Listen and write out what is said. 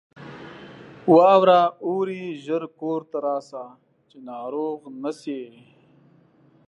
واوره اوري ! ژر کورته راسه ، چې ناروغ نه سې.